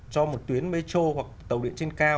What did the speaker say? cho một tuyến metro hoặc tàu điện trên cao